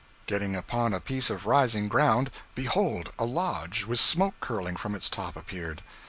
Getting upon a piece of rising ground, behold! a lodge, with smoke curling from its top, appeared.